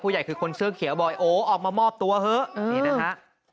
ใหญ่คือคนเสื้อเขียวบ่อยโอ้ออกมามอบตัวเถอะนี่นะฮะ